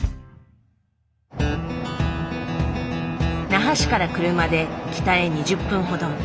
那覇市から車で北へ２０分ほど。